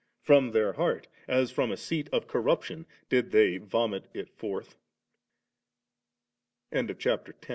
From their heart as from a seat of corrup tion did they vomit it forth '^ CHAPTER X